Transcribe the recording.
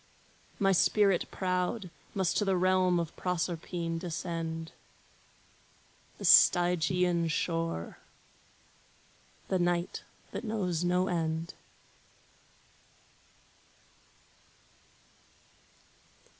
My spirit proud Must to the realm of Proserpine descend, The Stygian shore, the night that knows no end.